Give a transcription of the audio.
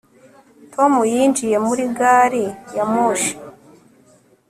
Tom yinjiye muri gari ya moshi